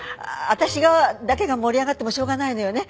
私がだけが盛り上がってもしょうがないのよね。